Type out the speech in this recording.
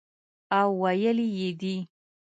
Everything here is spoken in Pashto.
او ویلي یې دي